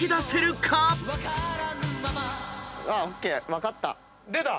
分かった！